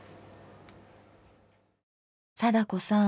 貞子さん